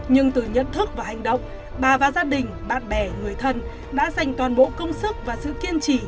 nhưng từ nhận thức và hành động bà và gia đình bạn bè người thân đã dành toàn bộ công sức và sự kiên trì